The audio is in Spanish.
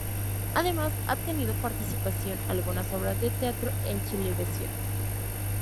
Además ha tenido participación algunas obras de "Teatro en Chilevisión".